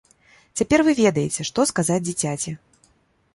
Цяпер вы ведаеце, што сказаць дзіцяці.